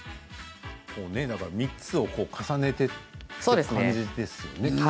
３つを重ねていく感じですよね。